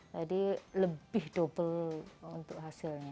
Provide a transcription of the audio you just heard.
jadi lebih double untuk hasilnya